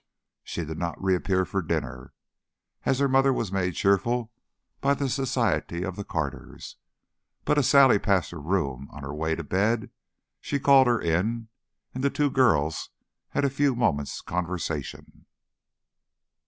She did not reappear for dinner, as her mother was made cheerful by the society of the Carters; but as Sally passed her room on her way to bed, she called her in, and the two girls had a few moments' conversation.